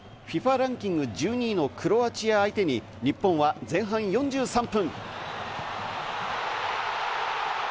ランキング１２位のクロアチア相手に日本は前半４３分。